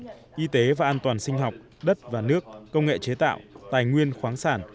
nông nghiệp và thực phẩm năng lượng y tế và an toàn sinh học đất và nước công nghệ chế tạo tài nguyên khoáng sản